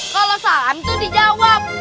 kalau salah itu dijawab